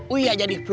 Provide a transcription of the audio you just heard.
uya jadi flu